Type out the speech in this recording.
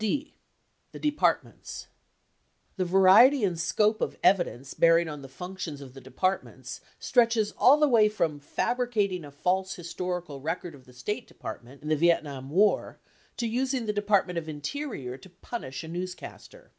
75 D. The Departments The variety and scope of evidence bearing on the functions of the Departments stretches all the way from fabricating a false historical record of the State Department in the Vietnam war to using the De partment of Interior to punish a newscaster.